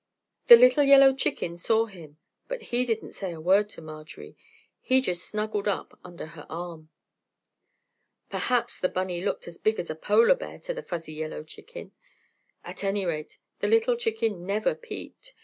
The little yellow chicken saw him, but he didn't say a word to Marjorie; he just snuggled up under her arm. Perhaps the bunny looked as big as a polar bear to the fuzzy yellow chicken. At any rate, the little chicken never peeped!